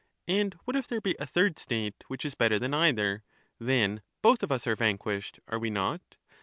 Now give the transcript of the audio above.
And what if there be a third state, which is better than either ? Then both of us are vanquished — are we not